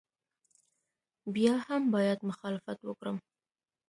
بیا هم باید مخالفت وکړم.